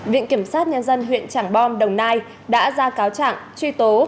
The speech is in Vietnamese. viện kiểm sát nhân dân huyện trảng bom đồng nai đã ra cáo trạng truy tố